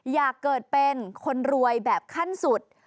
อยากเกิดเป็นคนรวยแบบขั้นสุด